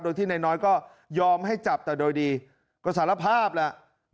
โดยที่นายน้อยก็ยอมให้จับแต่โดยดีก็สารภาพแหละ